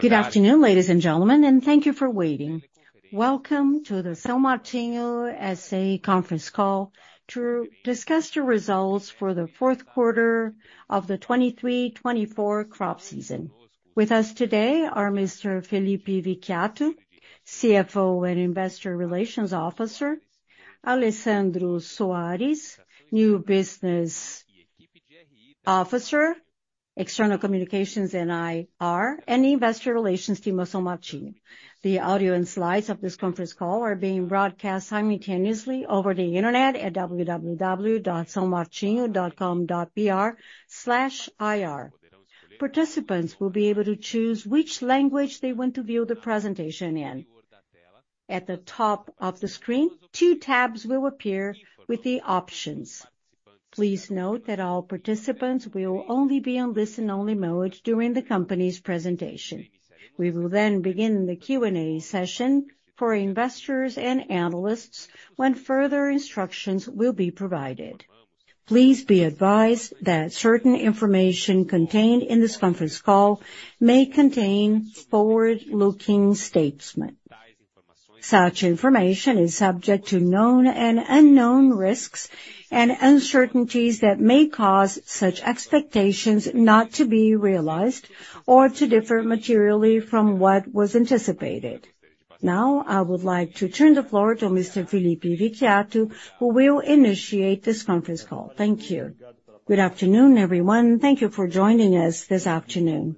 Good afternoon, ladies and gentlemen, and thank you for waiting. Welcome to the São Martinho SA conference call to discuss the results for the fourth quarter of the 2023-2024 crop season. With us today are Mr. Felipe Vicchiato, CFO and Investor Relations Officer, Alessandro Soares, New Business Officer, External Communications and IR, and Investor Relations team of São Martinho. The audio and slides of this conference call are being broadcast simultaneously over the internet at www.saomartinho.com.br/ir. Participants will be able to choose which language they want to view the presentation in. At the top of the screen, two tabs will appear with the options. Please note that all participants will only be on listen-only mode during the company's presentation. We will then begin the Q&A session for investors and analysts, when further instructions will be provided. Please be advised that certain information contained in this conference call may contain forward-looking statements. Such information is subject to known and unknown risks and uncertainties that may cause such expectations not to be realized or to differ materially from what was anticipated. Now, I would like to turn the floor to Mr. Felipe Vicchiato, who will initiate this conference call. Thank you. Good afternoon, everyone. Thank you for joining us this afternoon.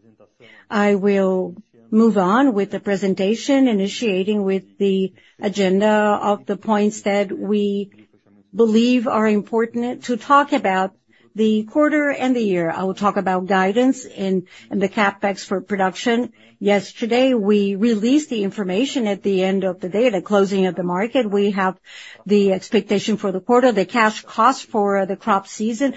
I will move on with the presentation, initiating with the agenda of the points that we believe are important to talk about the quarter and the year. I will talk about guidance and the CapEx for production. Yesterday, we released the information at the end of the day, the closing of the market. We have the expectation for the quarter, the cash cost for the crop season.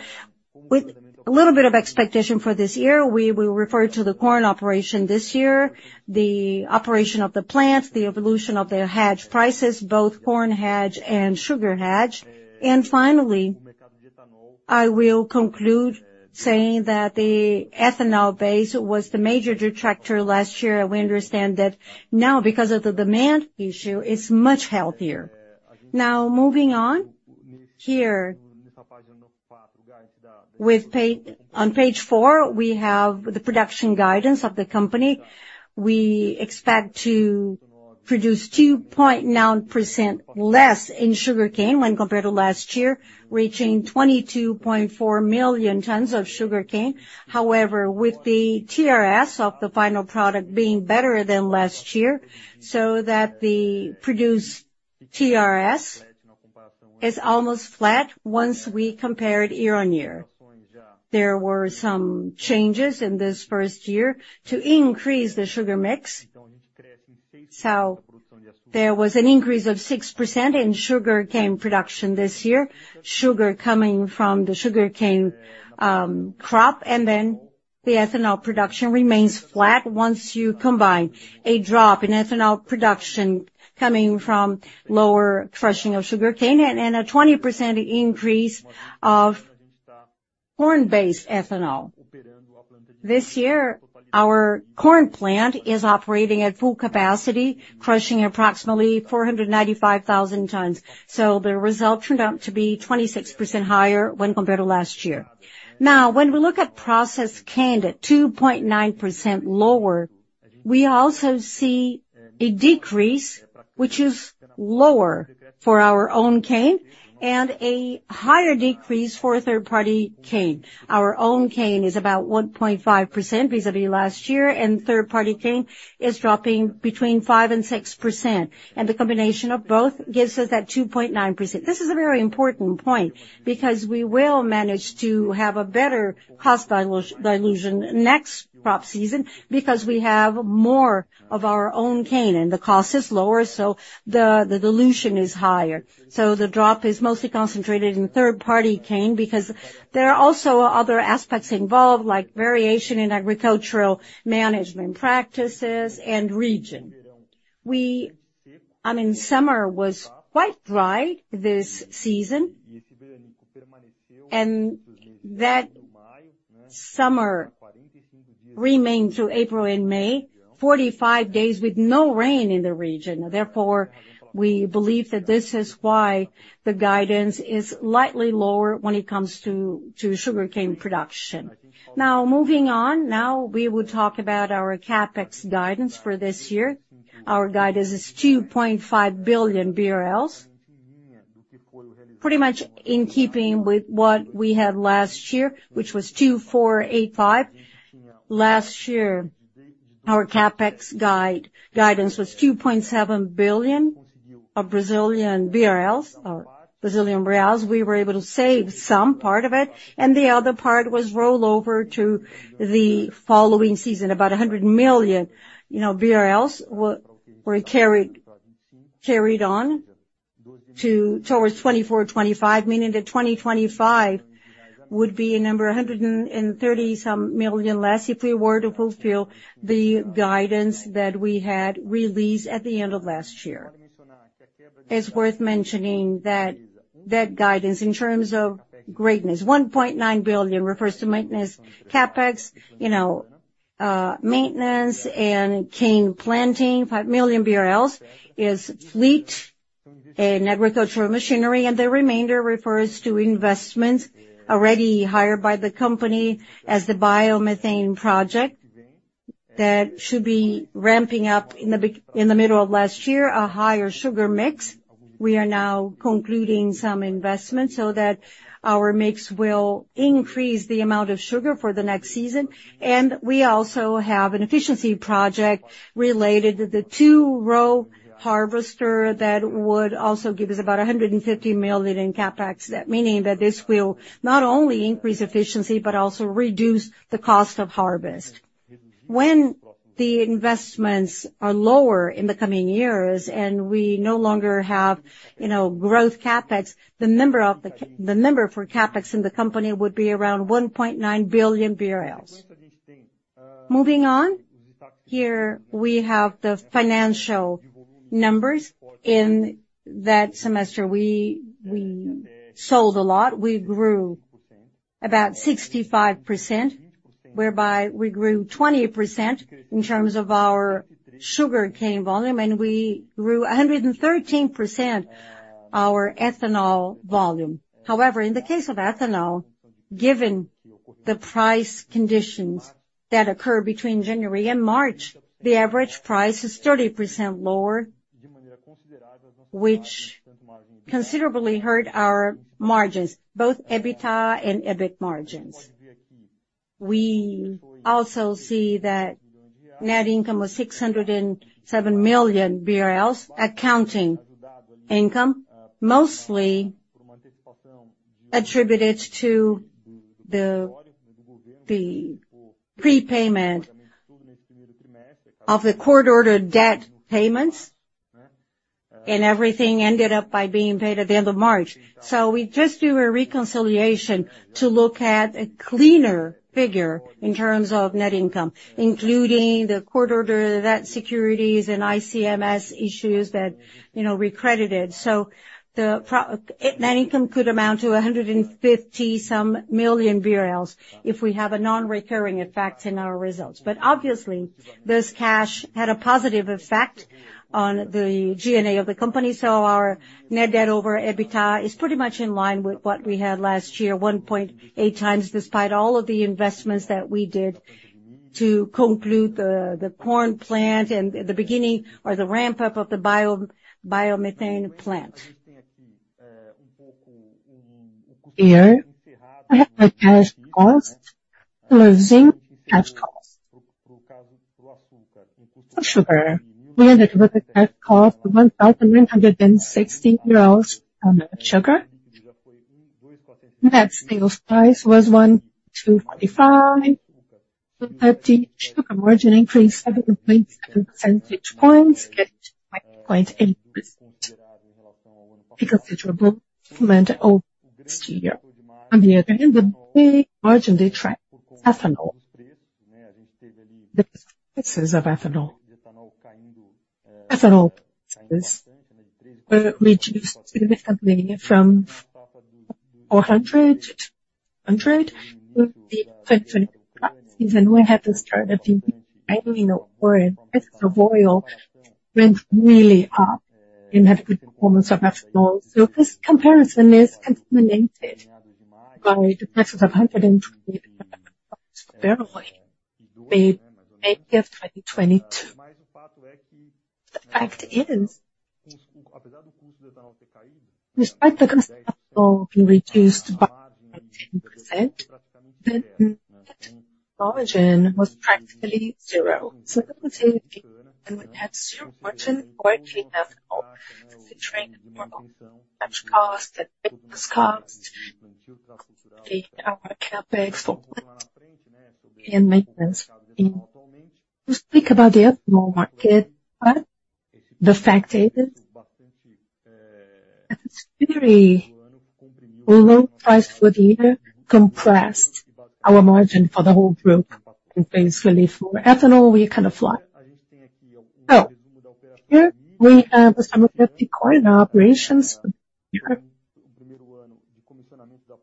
With a little bit of expectation for this year, we will refer to the corn operation this year, the operation of the plant, the evolution of the hedge prices, both corn hedge and sugar hedge. And finally, I will conclude saying that the ethanol base was the major detractor last year. We understand that now, because of the demand issue, it's much healthier. Now, moving on, here, on page four, we have the production guidance of the company. We expect to produce 2.9% less in sugarcane when compared to last year, reaching 22.4 million tons of sugarcane. However, with the TRS of the final product being better than last year, so that the produced TRS is almost flat once we compare it year-on-year. There were some changes in this first year to increase the sugar mix, so there was an increase of 6% in sugarcane production this year. Sugar coming from the sugarcane crop, and then the ethanol production remains flat once you combine a drop in ethanol production coming from lower crushing of sugarcane and a 20% increase of corn-based ethanol. This year, our corn plant is operating at full capacity, crushing approximately 495,000 tons, so the result turned out to be 26% higher when compared to last year. Now, when we look at processed cane at 2.9% lower, we also see a decrease, which is lower for our own cane and a higher decrease for third-party cane. Our own cane is about 1.5% vis-à-vis last year, and third-party cane is dropping between 5% and 6%, and the combination of both gives us that 2.9%. This is a very important point, because we will manage to have a better cost dilution next crop season, because we have more of our own cane and the cost is lower, so the dilution is higher. So the drop is mostly concentrated in third-party cane because there are also other aspects involved, like variation in agricultural management practices and region. We, I mean, summer was quite dry this season. That summer remained through April and May, 45 days with no rain in the region. Therefore, we believe that this is why the guidance is slightly lower when it comes to sugarcane production. Now, moving on. Now, we will talk about our CapEx guidance for this year. Our guidance is 2.5 billion BRL, pretty much in keeping with what we had last year, which was 2.485 billion. Last year, our CapEx guidance was 2.7 billion of Brazilian reals. We were able to save some part of it, and the other part was rolled over to the following season. About 100 million, you know, were carried on towards 2024, 2025, meaning that 2025 would be a number, 130-some million less, if we were to fulfill the guidance that we had released at the end of last year. It's worth mentioning that that guidance in terms of magnitude, 1.9 billion refers to maintenance CapEx, you know, maintenance and cane planting. 5 million BRL is for fleet and agricultural machinery, and the remainder refers to investments already hired by the company as the biomethane project. That should be ramping up in the middle of last year, a higher sugar mix. We are now concluding some investments so that our mix will increase the amount of sugar for the next season, and we also have an efficiency project related to the two-row harvester that would also give us about 150 million in CapEx. That meaning that this will not only increase efficiency, but also reduce the cost of harvest. When the investments are lower in the coming years, and we no longer have, you know, growth CapEx, the number for CapEx in the company would be around 1.9 billion BRL. Moving on, here we have the financial numbers. In that semester, we, we sold a lot. We grew about 65%, whereby we grew 20% in terms of our sugarcane volume, and we grew 113% our ethanol volume. However, in the case of ethanol, given the price conditions that occurred between January and March, the average price is 30% lower, which considerably hurt our margins, both EBITDA and EBIT margins. We also see that net income was 607 million BRL, accounting income, mostly attributed to the, the prepayment of the court-ordered debt payments, and everything ended up by being paid at the end of March. So we just do a reconciliation to look at a cleaner figure in terms of net income, including the court order, the debt securities, and ICMS issues that, you know, recredited. So net income could amount to 150-some million BRL if we have a non-recurring effect in our results. But obviously, this cash had a positive effect on the G&A of the company, so our net debt over EBITDA is pretty much in line with what we had last year, 1.8x, despite all of the investments that we did to conclude the corn plant and the beginning or the ramp-up of the biomethane plant. Here, I have my cash costs, closing cash costs. For sugar, we ended with a cash cost of BRL 1,960 on sugar. Net sales price was 145. So sugar margin increased 7.7 percentage points, getting to 9.8%, because it were both planned over this year. On the other hand, the big margin detractor, ethanol. The prices of ethanol. Ethanol prices were reduced significantly from 400 to 200 with the season. We had the start of the annual price of oil went really up and had good performance of ethanol. So this comparison is contaminated by the prices of 120 in May, May of 2022. The fact is, despite the cost of ethanol being reduced by 10%, the margin was practically zero. So we would have zero margin where we have to cover that fixed cost, our CapEx and maintenance. We speak about the ethanol market, but the fact is, very low price for the year compressed our margin for the whole group, and basically for ethanol, we kind of flat. So here we have the summary of the corn operations,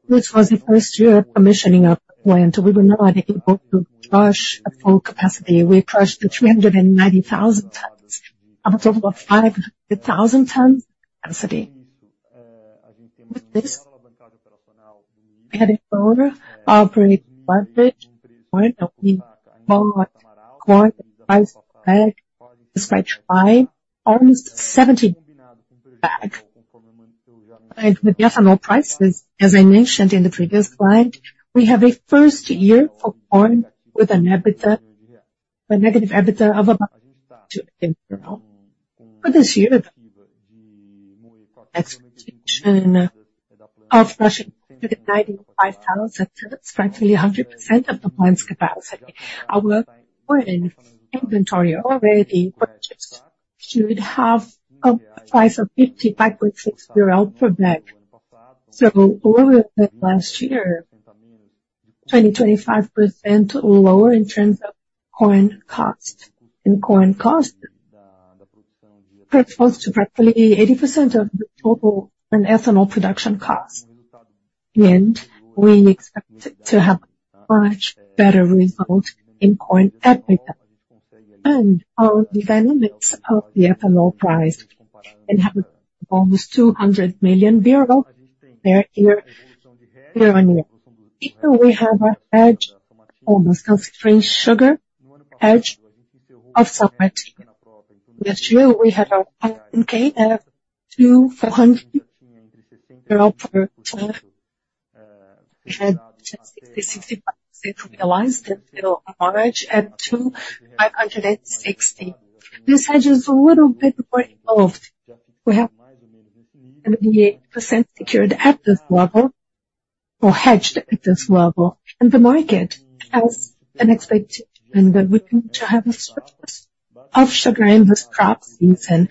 which was the first year of commissioning our plant. We were not able to crush at full capacity. We crushed 390,000 tons out of about 500,000 tons capacity. With this, we had an overleverage, where we bought corn price back, despite buying almost 70 bags. With the ethanol prices, as I mentioned in the previous slide, we have a first year of corn with an EBITDA, a negative EBITDA of about BRL 2 million in general. For this year, expectation of crushing 95,000, that's practically 100% of the plant's capacity. Our corn inventory already purchased should have a price of BRL 55.6 per bag. So over the last year- 25% lower in terms of corn cost. And corn cost, that's close to roughly 80% of the total in ethanol production cost. And we expect to have much better result in corn EBITDA. And our developments of the ethanol price and have almost BRL 200 million per year, year-on-year. Even we have a hedge, almost of free sugar, hedge of sugar. Last year, we had our cane, 2,400 per ton. We had 65% realized that average at 2,560. This hedge is a little bit more involved. We have 88% secured at this level, or hedged at this level, and the market has an expectation that we're going to have a surplus of sugar in this crop season,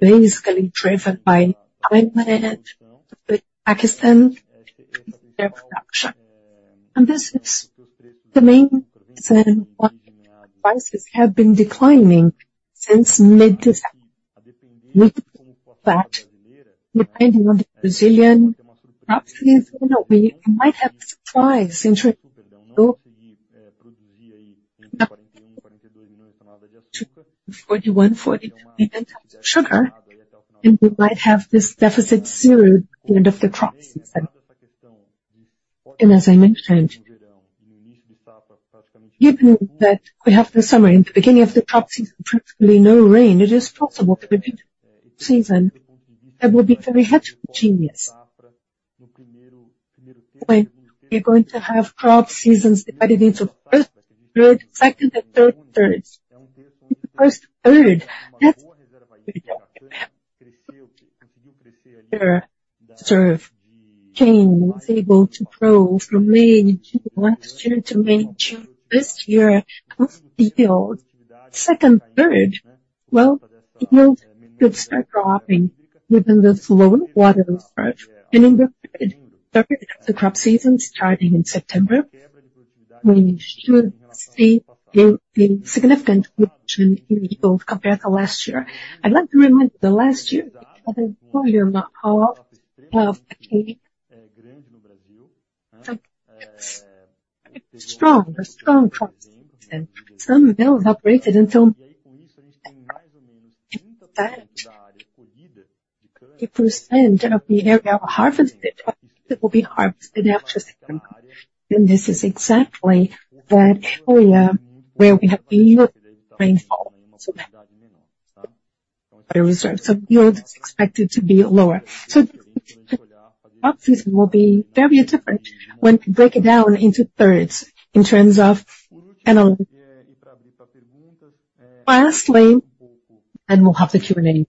basically driven by climate, but Pakistan, their production. This is the main reason why prices have been declining since mid-December. With that, depending on the Brazilian crop season, we might have a surprise in terms of, to 41-42 million tons of sugar, and we might have this deficit zero at the end of the crop season. As I mentioned, given that we have the summer and beginning of the crop season, practically no rain, it is possible for the season, that will be very heterogeneous. When we're going to have crop seasons divided into first, third, second and third thirds. The first third, that sort of came, was able to grow from May to last year, to May, June this year of the field. Second third, well, it could start dropping within the flow of water and growth. And in the third, the crop season starting in September, we should see a significant reduction in yield compared to last year. I'd like to remind you that last year, we had a volume of strong, a strong crop season. Some mills operated until percent of the area were harvested. It will be harvested after September. And this is exactly that area where we have a low rainfall. So the reserve, so yield is expected to be lower. So the crop season will be very different when we break it down into thirds in terms of ethanol. Lastly, we'll have the Q&A.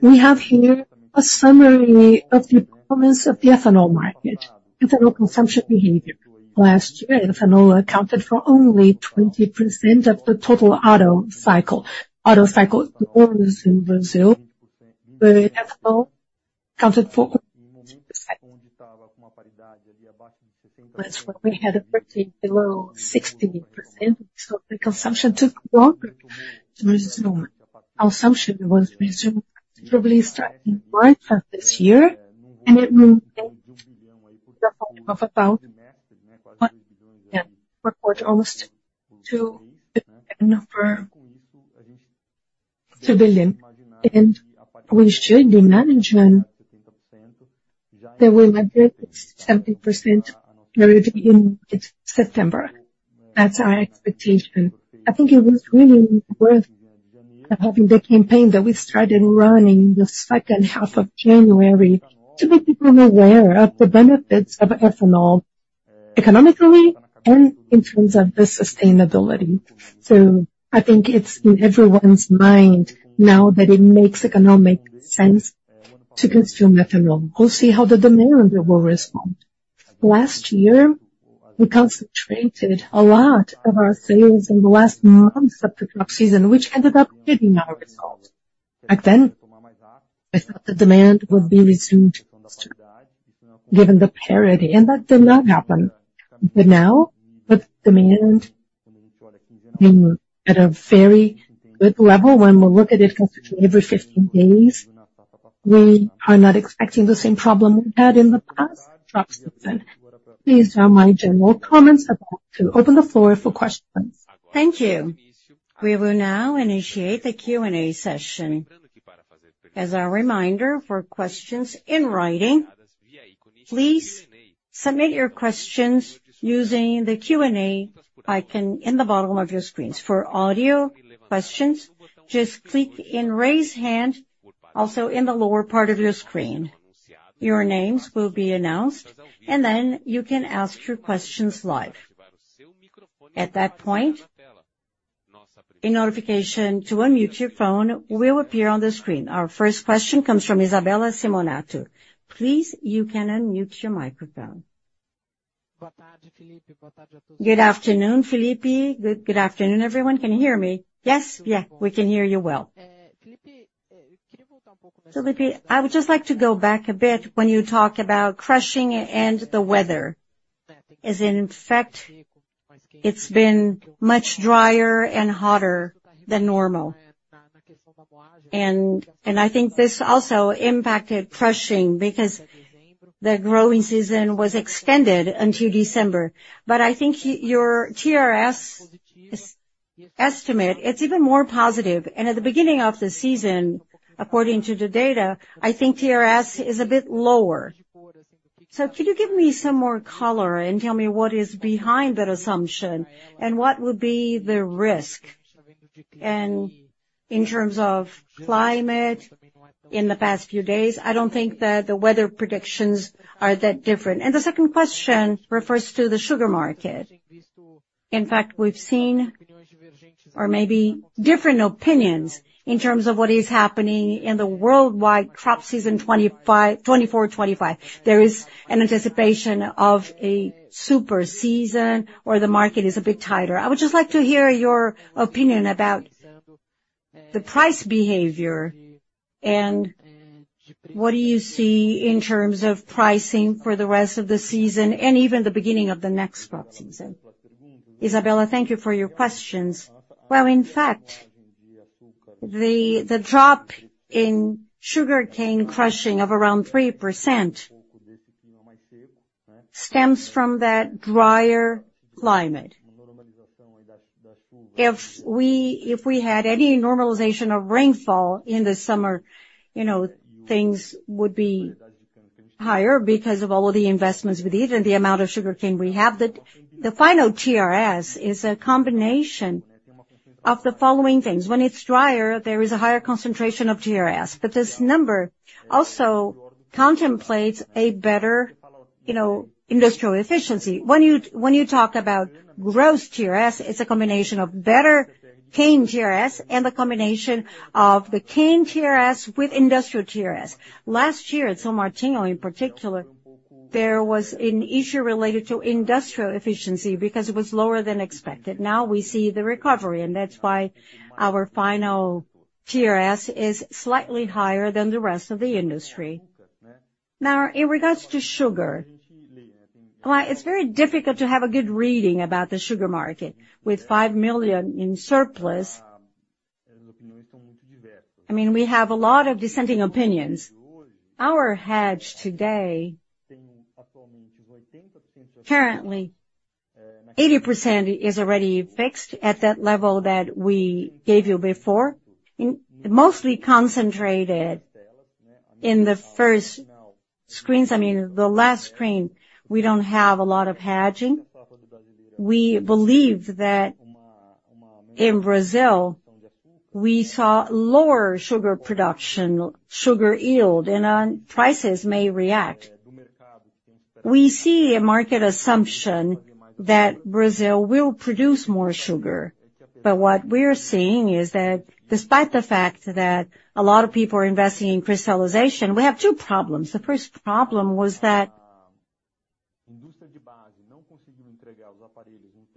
We have here a summary of the performance of the ethanol market, ethanol consumption behavior. Last year, ethanol accounted for only 20% of the total Otto cycle. Otto cycle almost in Brazil, where ethanol accounted for almost 20%. That's when we had a pretty below 60%, so the consumption took longer to resume. Our assumption was resumed, probably starting March of this year, and it will take about one year, almost 2 billion. And we should be managing that we will get 70% ready in September. That's our expectation. I think it was really worth having the campaign that we started running the second half of January, to make people aware of the benefits of ethanol, economically and in terms of the sustainability. So I think it's in everyone's mind now that it makes economic sense to consume ethanol. We'll see how the demand will respond. Last year, we concentrated a lot of our sales in the last months of the crop season, which ended up hitting our results. Back then, I thought the demand would be resumed, given the parity, and that did not happen. But now, with demand being at a very good level, when we look at it every 15 days, we are not expecting the same problem we had in the past crop season. These are my general comments. I'd like to open the floor for questions. Thank you. We will now initiate the Q&A session. As a reminder for questions in writing, please submit your questions using the Q&A icon in the bottom of your screens. For audio questions, just click in Raise Hand, also in the lower part of your screen. Your names will be announced, and then you can ask your questions live. At that point, a notification to unmute your phone will appear on the screen. Our first question comes from Isabella Simonato. Please, you can unmute your microphone. Good afternoon, Felipe. Good, good afternoon, everyone. Can you hear me? Yes. Yeah, we can hear you well. Felipe, I would just like to go back a bit when you talk about crushing and the weather. As in fact, it's been much drier and hotter than normal. And, and I think this also impacted crushing, because the growing season was extended until December. But I think your TRS estimate, it's even more positive. And at the beginning of the season, according to the data, I think TRS is a bit lower. So could you give me some more color and tell me what is behind that assumption, and what would be the risk? And in terms of climate in the past few days, I don't think that the weather predictions are that different. And the second question refers to the sugar market. In fact, we've seen or maybe different opinions in terms of what is happening in the worldwide crop season 2025, 2024-2025. There is an anticipation of a super season, or the market is a bit tighter. I would just like to hear your opinion about the price behavior, and what do you see in terms of pricing for the rest of the season, and even the beginning of the next crop season? Isabella, thank you for your questions. Well, in fact, the drop in sugarcane crushing of around 3% stems from that drier climate. If we had any normalization of rainfall in the summer, you know, things would be higher because of all the investments we did and the amount of sugarcane we have. The final TRS is a combination of the following things: When it's drier, there is a higher concentration of TRS, but this number also contemplates a better, you know, industrial efficiency. When you talk about gross TRS, it's a combination of better cane TRS and the combination of the cane TRS with industrial TRS. Last year, at São Martinho, in particular, there was an issue related to industrial efficiency because it was lower than expected. Now we see the recovery, and that's why our final TRS is slightly higher than the rest of the industry. Now, in regards to sugar, well, it's very difficult to have a good reading about the sugar market with 5 million in surplus. I mean, we have a lot of dissenting opinions. Our hedge today, currently, 80% is already fixed at that level that we gave you before, in- mostly concentrated in the first screens. I mean, the last screen, we don't have a lot of hedging. We believe that in Brazil, we saw lower sugar production, sugar yield, and prices may react. We see a market assumption that Brazil will produce more sugar. But what we're seeing is that despite the fact that a lot of people are investing in crystallization, we have two problems. The first problem was that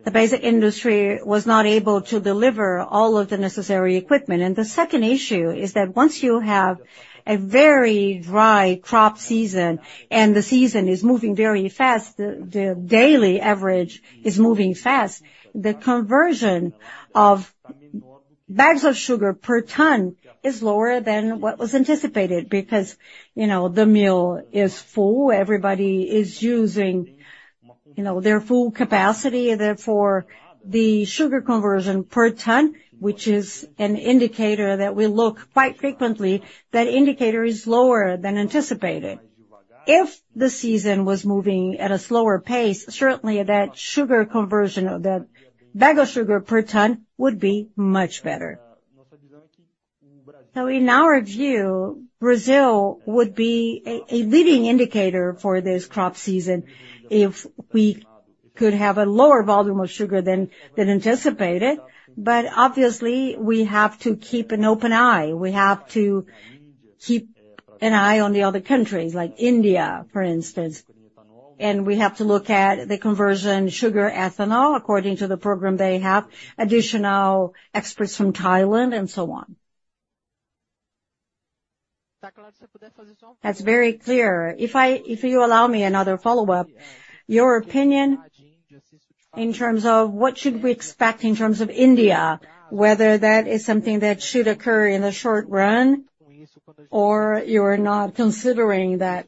the basic industry was not able to deliver all of the necessary equipment. And the second issue is that once you have a very dry crop season, and the season is moving very fast, the daily average is moving fast, the conversion of bags of sugar per ton is lower than what was anticipated because, you know, the mill is full, everybody is using, you know, their full capacity. Therefore, the sugar conversion per ton, which is an indicator that we look quite frequently, that indicator is lower than anticipated. If the season was moving at a slower pace, certainly that sugar conversion or that bag of sugar per ton would be much better. So in our view, Brazil would be a leading indicator for this crop season if we could have a lower volume of sugar than anticipated. But obviously, we have to keep an open eye. We have to keep an eye on the other countries, like India, for instance. And we have to look at the conversion, sugar, ethanol, according to the program they have, additional exports from Thailand and so on. That's very clear. If you allow me another follow-up, your opinion in terms of what should we expect in terms of India, whether that is something that should occur in the short run, or you're not considering that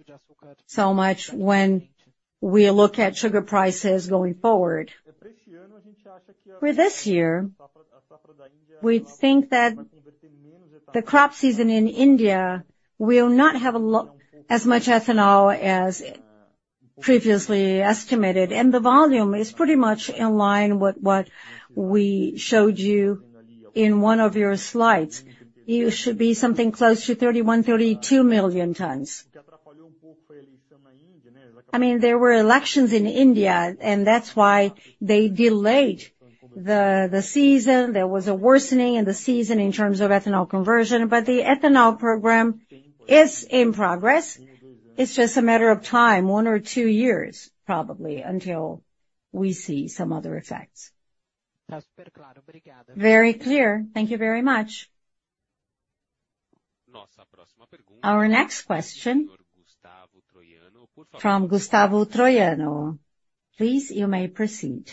so much when we look at sugar prices going forward? For this year, we think that the crop season in India will not have as much ethanol as previously estimated, and the volume is pretty much in line with what we showed you in one of your slides. It should be something close to 31-32 million tons. I mean, there were elections in India, and that's why they delayed the season. There was a worsening in the season in terms of ethanol conversion, but the ethanol program is in progress. It's just a matter of time, one or two years, probably, until we see some other effects. Very clear. Thank you very much. Our next question from Gustavo Troyano. Please, you may proceed.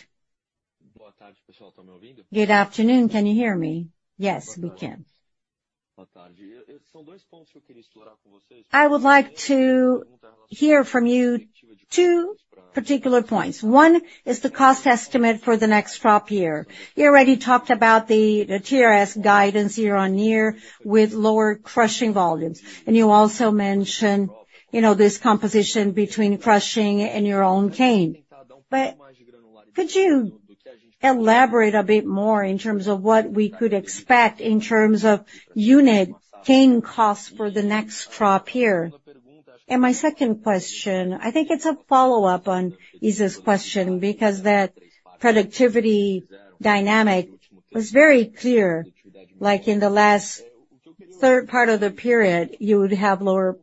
Good afternoon. Can you hear me? Yes, we can. I would like to hear from you two particular points. One is the cost estimate for the next crop year. You already talked about the TRS guidance year-on-year with lower crushing volumes, and you also mentioned, you know, this composition between crushing and your own cane. But could you elaborate a bit more in terms of what we could expect in terms of unit cane costs for the next crop year? And my second question, I think it's a follow-up on Isa's question, because that productivity dynamic was very clear. Like, in the last third part of the period, you would have lower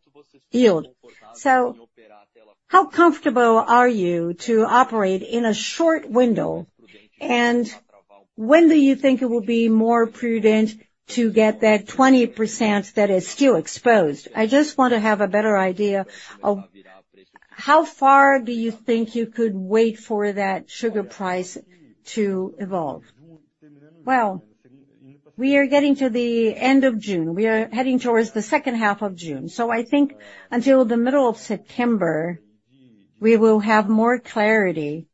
yield. So how comfortable are you to operate in a short window? And when do you think it will be more prudent to get that 20% that is still exposed? I just want to have a better idea of how far do you think you could wait for that sugar price to evolve? Well, we are getting to the end of June. We are heading towards the second half of June. So I think until the middle of September, we will have more clarity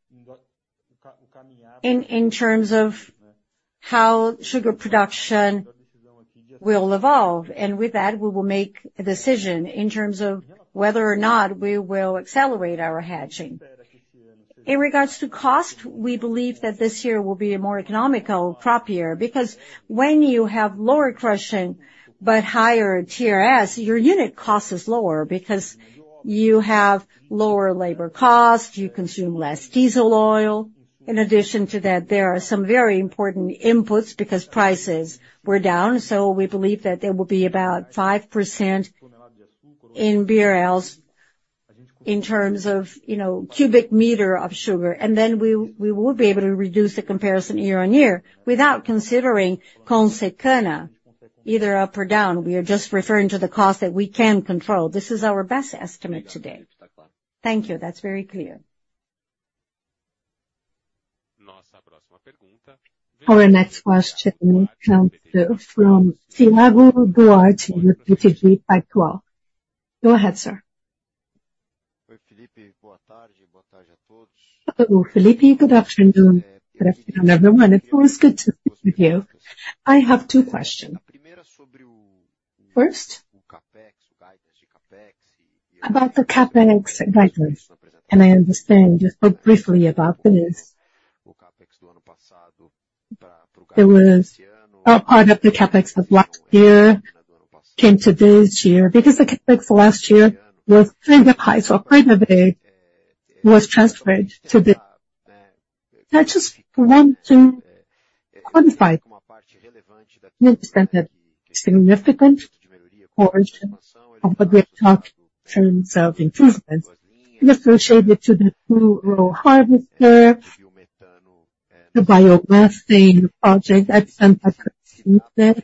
in terms of how sugar production will evolve, and with that, we will make a decision in terms of whether or not we will accelerate our hedging. In regards to cost, we believe that this year will be a more economical crop year, because when you have lower crushing but higher TRS, your unit cost is lower because you have lower labor cost, you consume less diesel oil. In addition to that, there are some very important inputs because prices were down, so we believe that there will be about 5% in BRL in terms of, you know, cubic meter of sugar. And then we will be able to reduce the comparison year-on-year without considering CONSECANA, either up or down. We are just referring to the cost that we can control. This is our best estimate today. Thank you. That's very clear. Our next question comes from Thiago Duarte with BTG Pactual. Go ahead, sir. Hello, Felipe. Good afternoon, good afternoon, everyone. It's always good to speak with you. I have two questions. First, about the CapEx guidance, and I understand you spoke briefly about this. There was a part of the CapEx of last year came to this year because the CapEx last year was kind of high, so part of it was transferred to this. I just want to quantify the extent that significant portion of what we have talked in terms of increases and associate it to the two-row harvester, the biogas project that's been completed.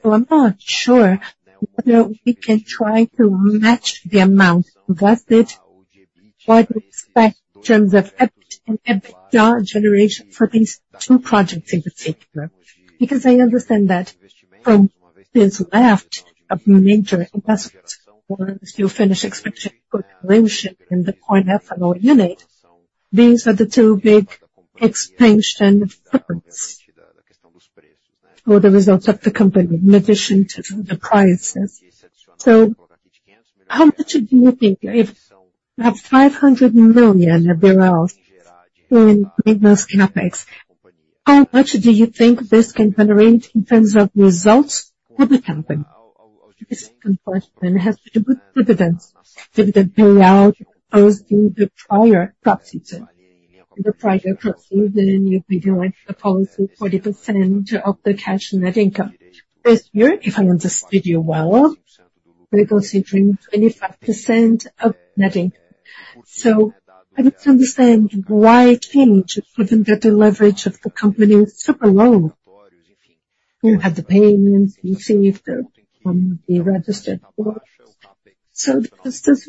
So I'm not sure whether we can try to match the amount invested, what to expect in terms of EBIT and EBITDA generation for these two projects in particular, because I understand that from what is left of major investments, or if you finish execution in the ethanol unit, these are the two big expansion difference for the results of the company, in addition to the prices. So how much do you think, if you have BRL 500 million less CapEx, how much do you think this can generate in terms of results for the company? The second question has to do with dividends. Dividend payout as in the prior crop season. In the prior crop season, you paid, like, a policy 40% of the cash net income. This year, if I understood you well, we're considering 25% of net income. So I don't understand why it changed, given that the leverage of the company is super low. You had the payments, you see if the-- from the registered. So because this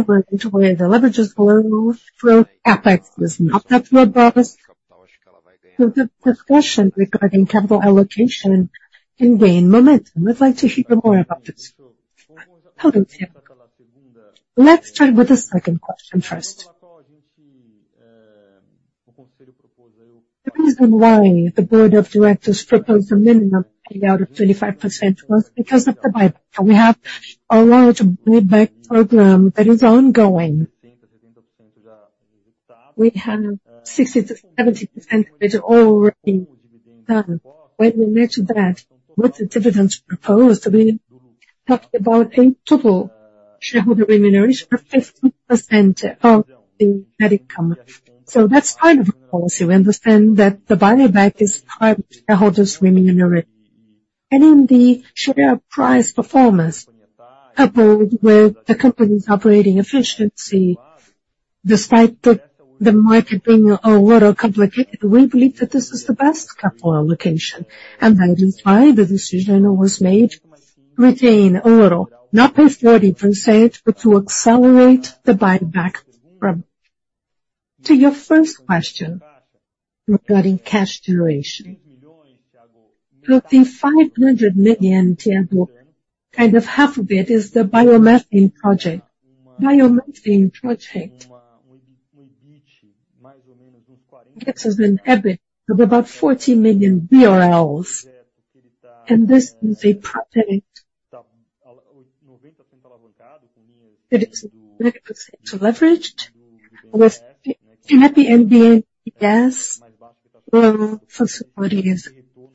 program, the way the leverage is low, flow CapEx is not that robust. So the discussion regarding capital allocation can gain momentum. I'd like to hear more about this. Let's start with the second question first. The reason why the board of directors proposed a minimum payout of 25% was because of the buyback. We have a large buyback program that is ongoing. We have 60%-70% that is already done. When you match that with the dividends proposed, we talk about a total shareholder remuneration of 50% of the net income. So that's part of the policy. We understand that the buyback is part of shareholders' remuneration. And in the share price performance coupled with the company's operating efficiency, despite the market being a little complicated, we believe that this is the best capital allocation. And that is why the decision was made to retain a little, not pay 40%, but to accelerate the buyback program. To your first question regarding cash generation. Putting 500 million Thiago, kind of half of it is the biomethane project. Biomethane project gives us an EBIT of about 40 million BRL, and this is a project that is 90% leveraged, with and at the end, the gas flow for support is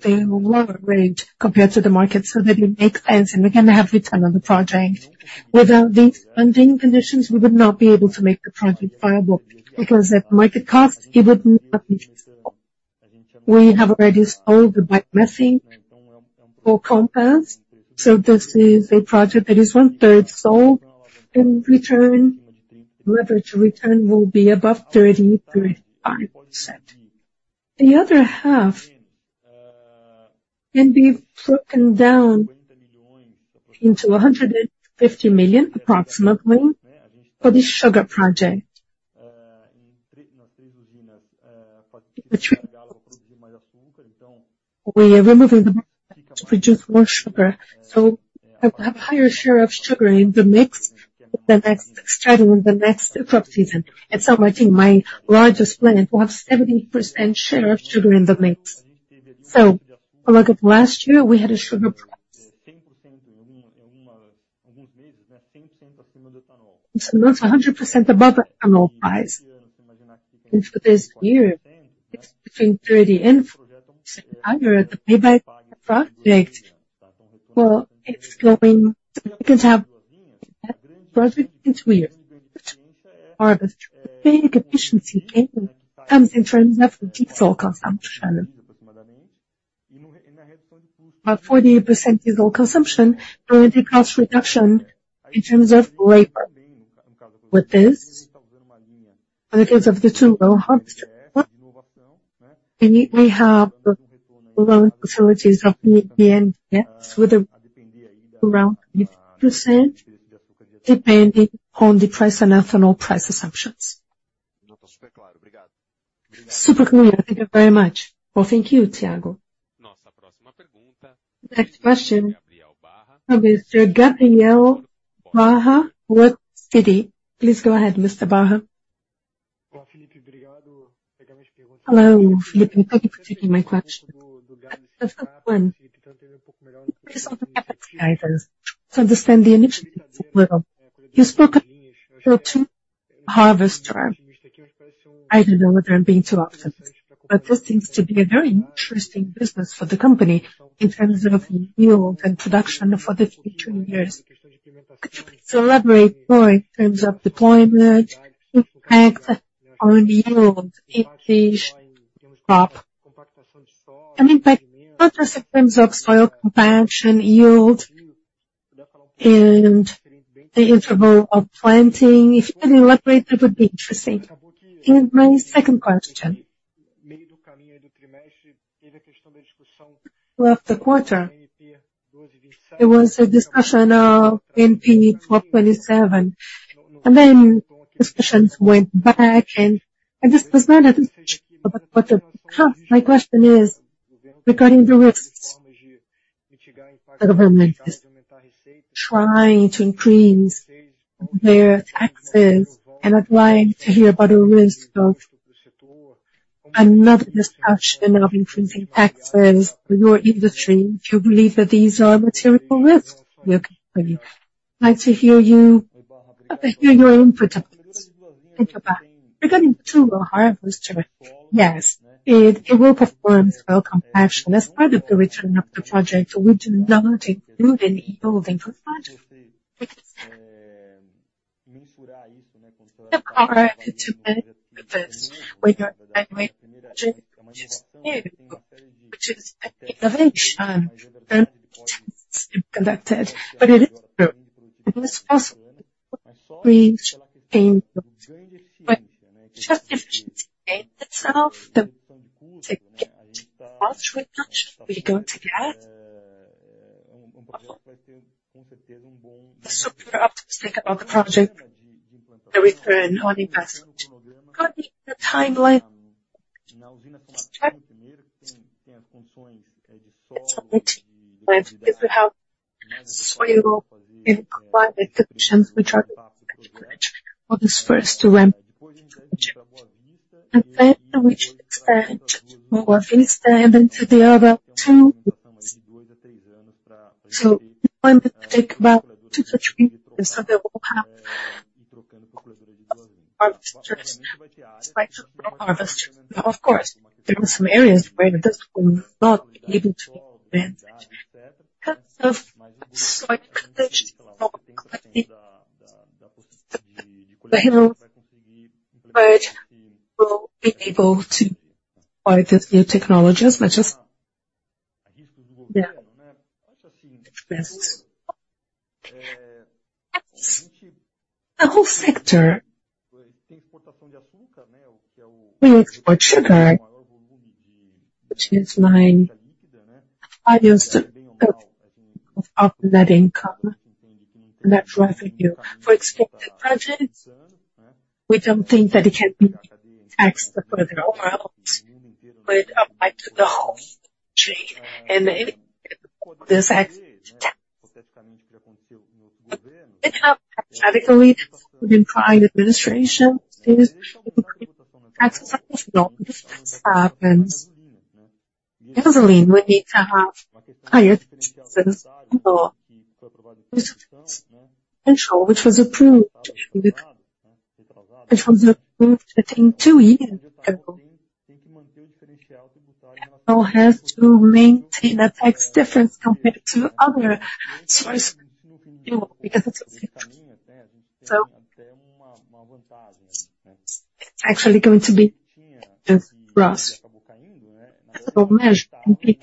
a lower rate compared to the market, so that it makes sense, and we're going to have return on the project. Without these funding conditions, we would not be able to make the project viable, because at market cost, it would not be possible. We have already sold the biomethane for compounds, so this is a project that is one-third sold, and return - leverage return will be above 30%-35%. The other half can be broken down into 150 million, approximately, for the sugar project. Which we are removing the to produce more sugar, so I will have a higher share of sugar in the mix starting in the next crop season. So I think my largest plant will have 70% share of sugar in the mix. So if you look at last year, we had a sugar price. It's not 100% above annual price. And for this year, it's between 30% and 40% higher. The payback project, well, it's going because have project in two years. Harvest big efficiency gain comes in terms of diesel consumption. About 40% diesel consumption, and the cost reduction in terms of labor. With this, in the case of the two-row harvester, we have loan facilities of BRL 50 million, yes, with around 50%, depending on the price and ethanol price assumptions. Super clear. Thank you very much. Well, thank you, Thiago. Next question from Mr. Gabriel Barra with Citi. Please go ahead, Mr. Barra. Hello, Felipe. Thank you for taking my question. The first one, based on the EBIT guidance, to understand the initiatives a little. You spoke about your two-row harvester. I don't know whether I'm being too optimistic, but this seems to be a very interesting business for the company in terms of yield and production for the future years. Could you elaborate more in terms of deployment, impact on yield, each crop? I mean, like, not just in terms of soil compaction, yield, and the interval of planting. If you can elaborate, that would be interesting. And my second question. Throughout the quarter, there was a discussion of MP 1227, and then discussions went back and, and this was not a but my question is regarding the risks. The government is trying to increase their taxes, and I'd like to hear about the risk of another discussion of increasing taxes in your industry. Do you believe that these are material risks? I'd like to hear your input on this. Thank you, bye. Regarding to the harvester, yes, it will perform well compaction. As part of the return of the project, we do not include any yield in the project. We can say. So far, to this, we are doing this new, which is an innovation and tests conducted. But it is true, and it's also a great gain. But just efficiency in itself, the cost reduction we're going to get. So we're optimistic about the project, the return on investment. Regarding the timeline, let's check. If we have soil in quite good conditions, we try to for this first ramp. And then we expand to Boa Vista and to the other two. So it might take about two to three years that we will have harvesters, like two-row harvester. Of course, there are some areas where this will not be able to be planted. In terms of soil conditions, not. But he will be able to buy the new technologies, but just, yeah, express. The whole sector, we export sugar, which is my ideas of net income, net revenue. For expected projects, we don't think that it can be taxed further overalls, but applied to the whole tree, and then this act. It happened radically within private administration, taxes. If this happens, it doesn't mean we need to have higher citizens or control, which was approved I think two years ago. Now has to maintain the tax difference compared to other source, because it's so... It's actually going to be just for us. So actually,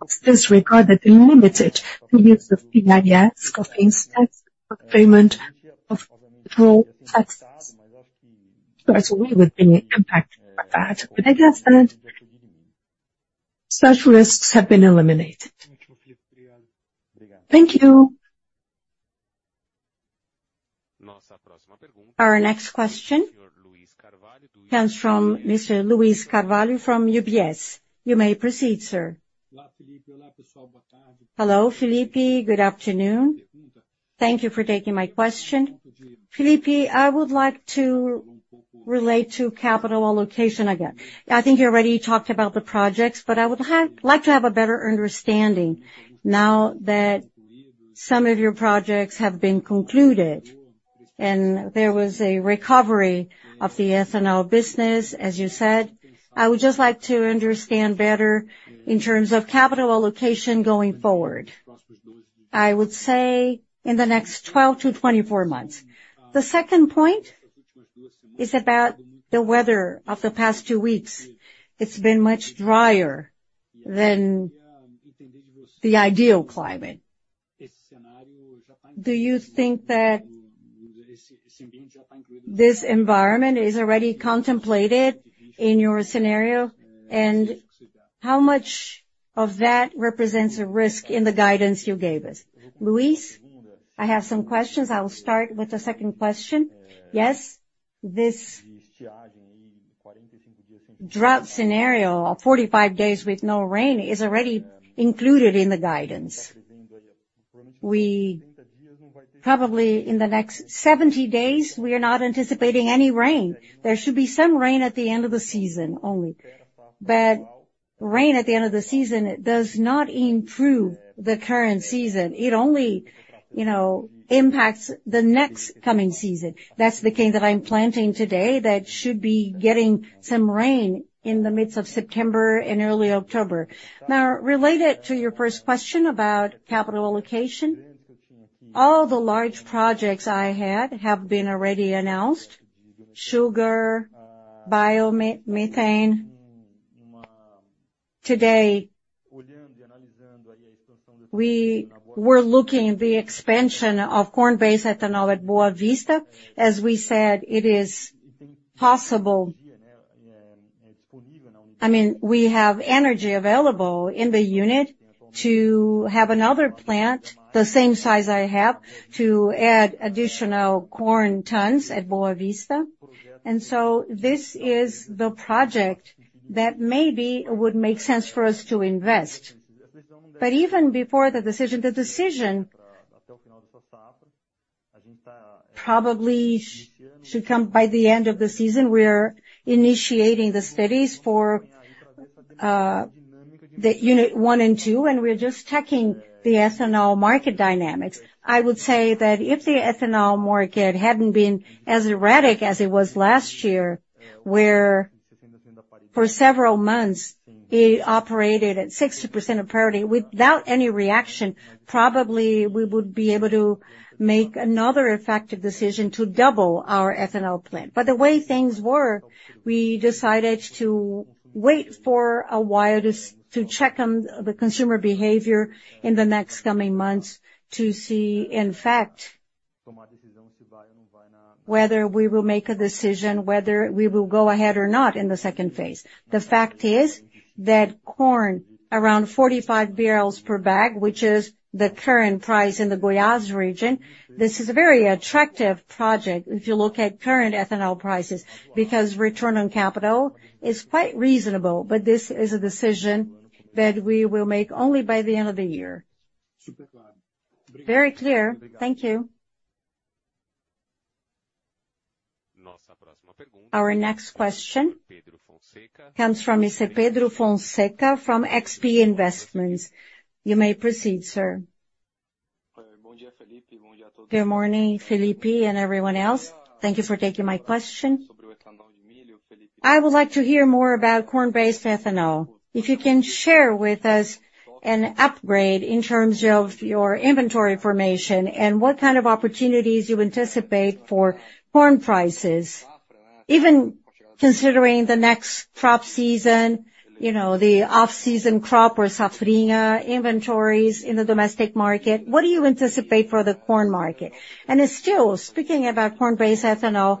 of this regard, that limited the use of PIS/COFINS tax payment of raw taxes. So as we would be impacted by that, but I guess and such risks have been eliminated. Thank you. Our next question comes from Mr. Luiz Carvalho from UBS. You may proceed, sir. Hello, Felipe. Good afternoon. Thank you for taking my question. Felipe, I would like to relate to capital allocation again. I think you already talked about the projects, but I would like to have a better understanding now that some of your projects have been concluded, and there was a recovery of the ethanol business, as you said. I would just like to understand better in terms of capital allocation going forward, I would say, in the next 12-24 months. The second point is about the weather of the past two weeks. It's been much drier than the ideal climate. Do you think that this environment is already contemplated in your scenario? And how much of that represents a risk in the guidance you gave us? Luiz, I have some questions. I will start with the second question. Yes, this drought scenario, of 45 days with no rain, is already included in the guidance. We probably in the next 70 days, we are not anticipating any rain. There should be some rain at the end of the season, only. But rain at the end of the season, it does not improve the current season. It only, you know, impacts the next coming season. That's the cane that I'm planting today that should be getting some rain in the midst of September and early October. Now, related to your first question about capital allocation, all the large projects I had have been already announced: sugar, biomethane. Today, we were looking at the expansion of corn-based ethanol at Boa Vista. As we said, it is possible. I mean, we have energy available in the unit to have another plant, the same size I have, to add additional corn tons at Boa Vista. And so this is the project that maybe would make sense for us to invest. But even before the decision, the decision probably should come by the end of the season. We're initiating the studies for the Unit 1 and 2, and we're just checking the ethanol market dynamics. I would say that if the ethanol market hadn't been as erratic as it was last year, where for several months it operated at 60% of parity without any reaction, probably we would be able to make another effective decision to double our ethanol plant. But the way things were, we decided to wait for a while to check on the consumer behavior in the next coming months, to see, in fact, whether we will make a decision, whether we will go ahead or not in the second phase. The fact is that corn, around 45 per bag, which is the current price in the Goiás region, this is a very attractive project if you look at current ethanol prices, because return on capital is quite reasonable. But this is a decision that we will make only by the end of the year. Very clear. Thank you. Our next question comes from Mr. Pedro Fonseca from XP Investimentos. You may proceed, sir. Good morning, Felipe, and everyone else. Thank you for taking my question. I would like to hear more about corn-based ethanol. If you can share with us an upgrade in terms of your inventory information, and what kind of opportunities you anticipate for corn prices? Even considering the next crop season, you know, the off-season crop or safrinha inventories in the domestic market, what do you anticipate for the corn market? And still, speaking about corn-based ethanol,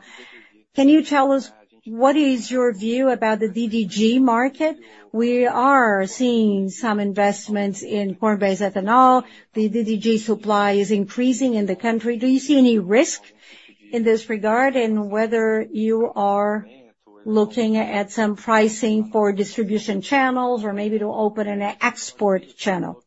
can you tell us what is your view about the DDG market? We are seeing some investments in corn-based ethanol. The DDG supply is increasing in the country. Do you see any risk in this regard, and whether you are looking at some pricing for distribution channels, or maybe to open an export channel?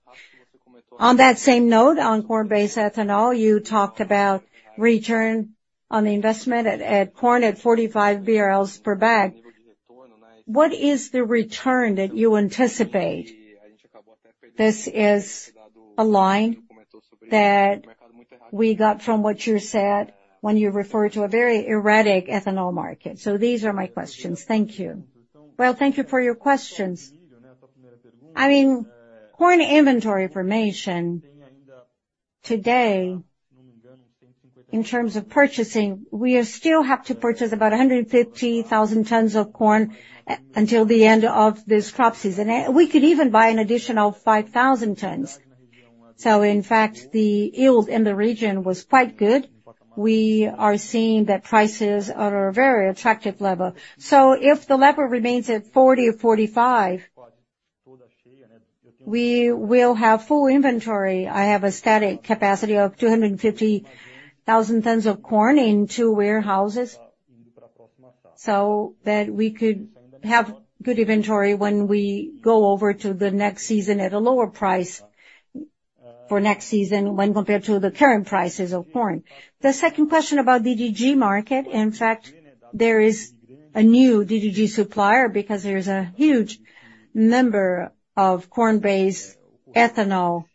On that same note, on corn-based ethanol, you talked about return on the investment at, at corn, at 45 BRL per bag. What is the return that you anticipate? This is a line that we got from what you said when you referred to a very erratic ethanol market. So these are my questions. Thank you. Well, thank you for your questions. I mean, corn inventory information today, in terms of purchasing, we still have to purchase about 150,000 tons of corn until the end of this crop season. We could even buy an additional 5,000 tons. So in fact, the yield in the region was quite good. We are seeing that prices are at a very attractive level. So if the level remains at 40 or 45, we will have full inventory. I have a static capacity of 250,000 tons of corn in two warehouses, so that we could have good inventory when we go over to the next season at a lower price for next season, when compared to the current prices of corn. The second question about DDG market, in fact, there is a new DDG supplier, because there is a huge number of corn-based ethanol.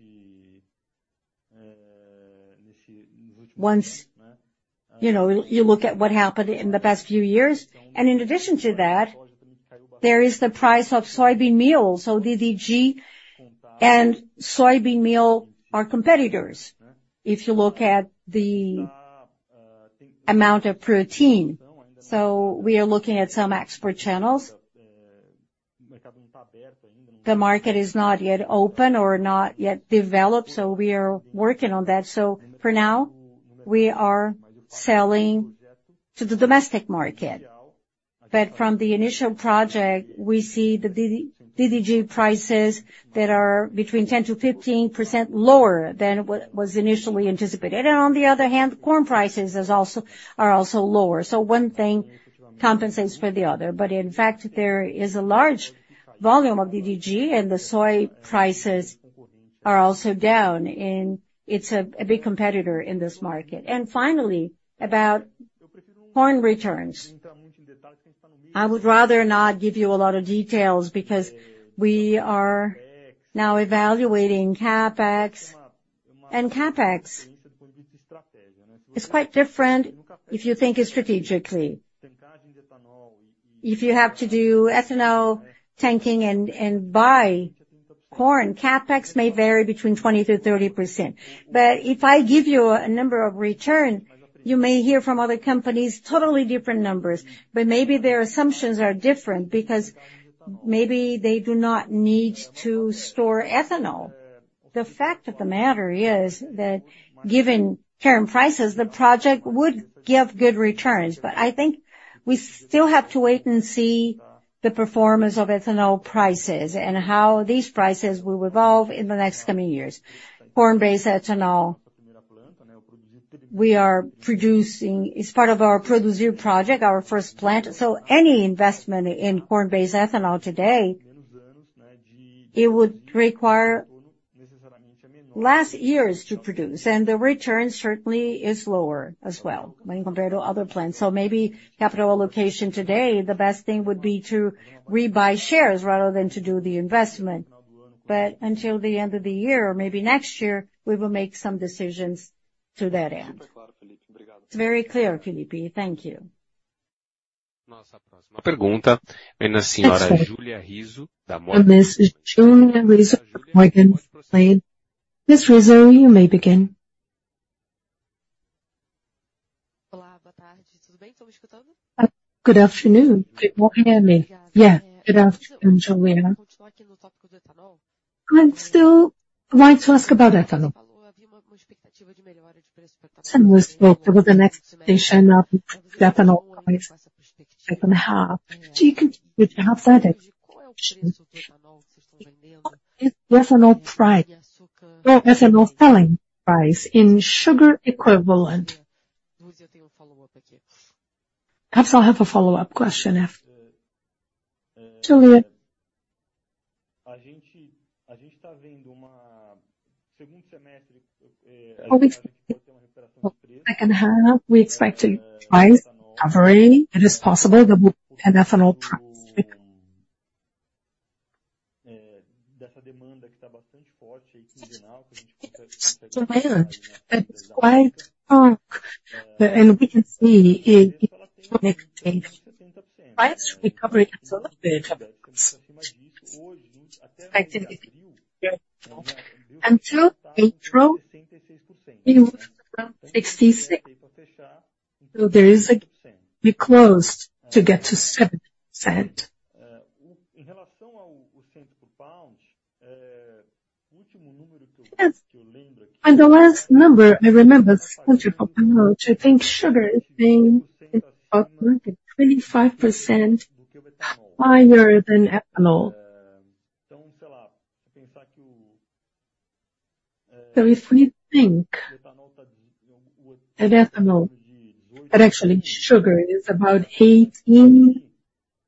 Once, you know, you look at what happened in the past few years. And in addition to that, there is the price of soybean meal. So DDG and soybean meal are competitors, if you look at the amount of protein. So we are looking at some export channels. The market is not yet open or not yet developed, so we are working on that. So for now, we are selling to the domestic market. But from the initial project, we see the DDG prices that are between 10%-15% lower than what was initially anticipated. And on the other hand, corn prices is also—are also lower, so one thing compensates for the other. But in fact, there is a large volume of DDG, and the soy prices are also down, and it's a, a big competitor in this market. And finally, about corn returns. I would rather not give you a lot of details, because we are now evaluating CapEx, and CapEx is quite different if you think strategically. If you have to do ethanol tanking and, and buy corn, CapEx may vary between 20%-30%. But if I give you a number of return, you may hear from other companies, totally different numbers. But maybe their assumptions are different because maybe they do not need to store ethanol. The fact of the matter is that given current prices, the project would give good returns. But I think we still have to wait and see the performance of ethanol prices, and how these prices will evolve in the next coming years. Corn-based ethanol, we are producing. It's part of our producer project, our first plant. So any investment in corn-based ethanol today, it would require less years to produce, and the return certainly is lower as well when compared to other plants. So maybe capital allocation today, the best thing would be to rebuy shares rather than to do the investment. But until the end of the year or maybe next year, we will make some decisions to that end. It's very clear, Felipe. Thank you. Next question is from Ms. Julia Rizzo of Morgan Stanley. Ms. Rizzo, you may begin. Good afternoon. Can you hear me? Yeah. Good afternoon, Julia. I'd still like to ask about ethanol. Someone spoke, there was an expectation of ethanol price, second half. So you could, could you have that expectation? What is the ethanol price or ethanol selling price in sugar equivalent? Perhaps I'll have a follow-up question after. Julia, we expect to rise. It is possible that we have ethanol price-demand that is quite strong, and we can see it connecting quite recovery of sort of the until April. So there is a, we're closed to get to 70%. And the last number I remember, central compound, I think sugar is being about 25% higher than ethanol. So if we think that ethanol, but actually sugar is about 18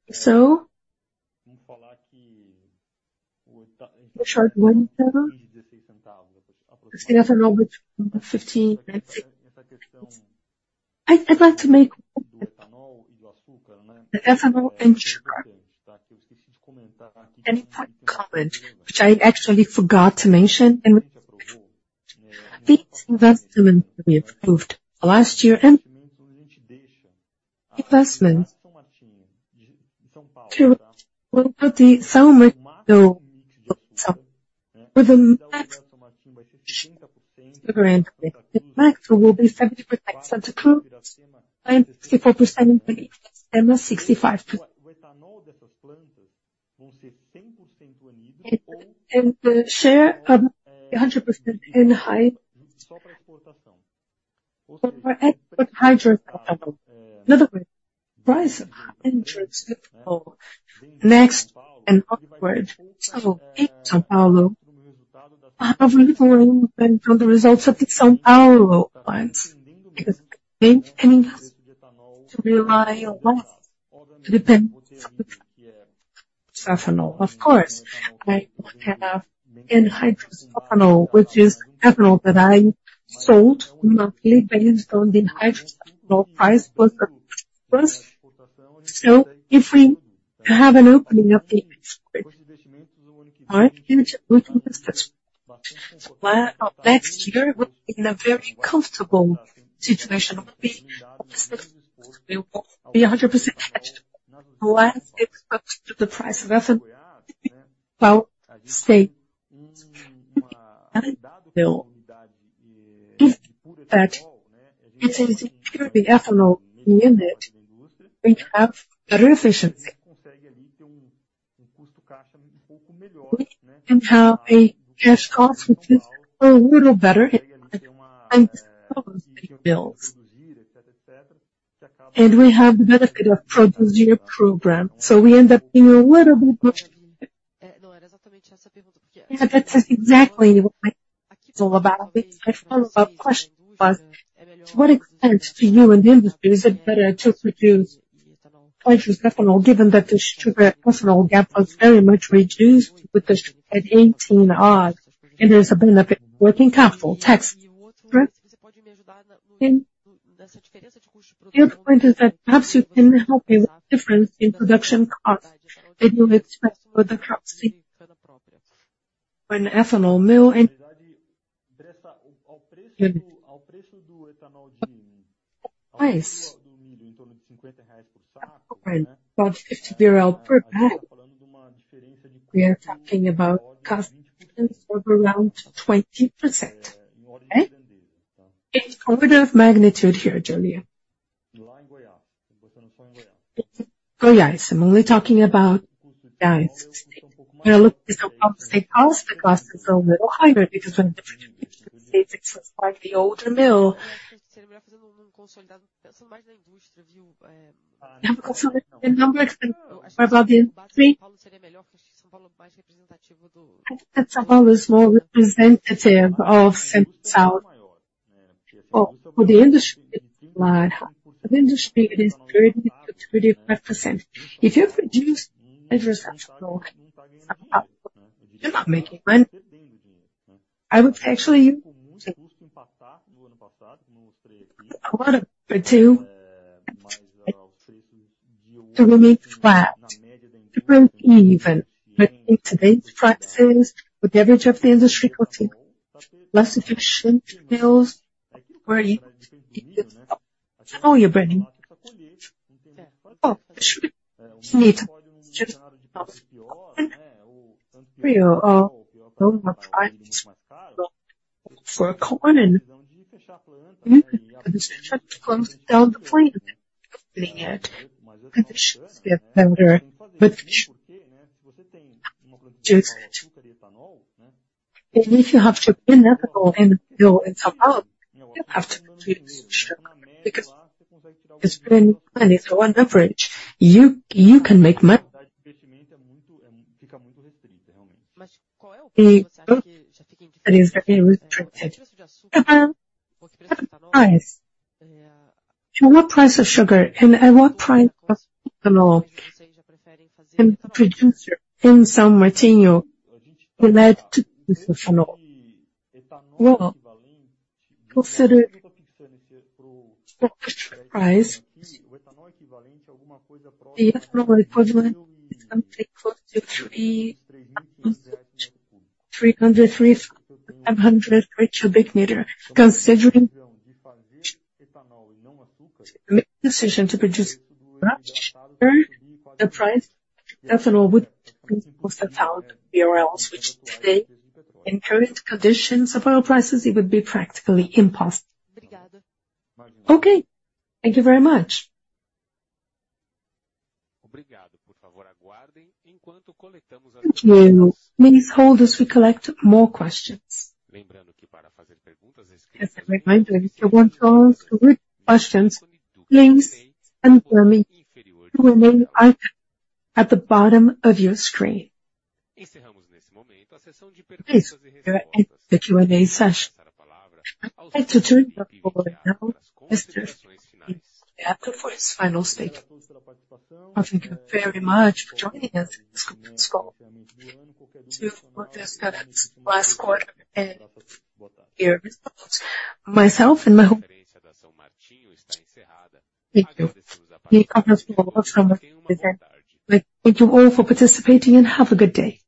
or so. Short 1,000, because the ethanol between 15 and 16. I'd, I'd like to make the ethanol and sugar. And one comment, which I actually forgot to mention, and these investments we approved last year, and investment to put the São Martinho, with the max sugar and the max will be 70% approved and 64%, and the 65%. And the share of a 100% anhydrous. But for hydrous, in other words, price and next and upward. So in São Paulo, probably will depend on the results of the São Paulo clients, because they depending us to rely on what? To depend on ethanol, of course. I have anhydrous ethanol, which is ethanol that I sold monthly based on the anhydrous ethanol price plus the plus. So if we have an opening up the next year, we can invest this. So by our next year, we're in a very comfortable situation of being, of this will be 100%, whereas it was up to the price of ethanol. Well, say, I will, is that it is purely ethanol unit, we have better efficiency. We can have a cash cost, which is a little better and bills. And we have the benefit of producing a program, so we end up being a little bit pushed. Yeah, that is exactly what it's all about. I follow a question was, to what extent do you in the industry, is it better to produce ethanol, given that the sugar-ethanol gap was very much reduced with that at 18-odd, and there's a benefit working capital tax? The other point is that perhaps you can help me with the difference in production cost, and you expect for the currency with ethanol mill and price. When about BRL 50 per bag, we are talking about cost difference of around 20%. Right? An order of magnitude here, Julia. Goiás, I'm only talking about Goiás. When I look at some other state, also the cost is a little higher because when different states, it's like the older mill. Have a consolidated the numbers and provide the industry. I think that São Paulo is more representative of Central and South. For the industry, but the industry, it is 30%-35%. If you produce agricultural, you're not making money. I would actually. A lot of it, too. So we made flat, different, even with today's prices, with the average of the industry, less efficient deals where you're burning. Oh, you need to just open for your price for corn, and you should close down the plant, opening it. Conditions get better, but you. And if you have to be ethical and go and sell out, you have to do because when money is on average, you can make money. The book that is very restricted. Price. To what price of sugar and at what price of ethanol, and the producer in São Martinho would like to produce ethanol? Well, consider stock price. The equivalent is something close to 300, 300 cubic meter. Considering making decision to produce, the price, ethanol would cost us BRL 1,000, which today, in current conditions of oil prices, it would be practically impossible. Okay, thank you very much. Thank you. Please hold as we collect more questions. As a reminder, if you want to ask questions, please press star one at the bottom of your screen. That concludes the Q&A session. I'd like to turn it over now to Mr. Felipe for his final statement. Thank you very much for joining us on this call. To wrap this last quarter and hear from myself and my. Thank you. Thank you all for participating, and have a good day.